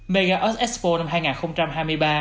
mega us expo năm hai nghìn hai mươi ba